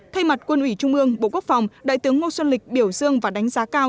thay mặt quân ủy trung ương bộ quốc phòng đại tướng ngô xuân lịch biểu dương và đánh giá cao